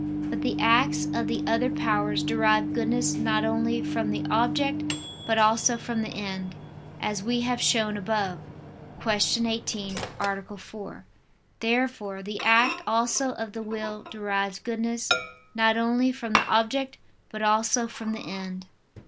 But the acts of the other powers derive goodness not only from the object but also from the end, as we have shown above (Q. 18, A. 4). Therefore the act also of the will derives goodness not only from the object but also from the end.